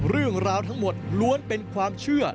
เรื่องราวทั้งหมดล้วนเป็นความเชื่อ